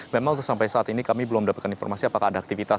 memang sampai saat ini kami belum mendapatkan informasi apakah ada aktivitas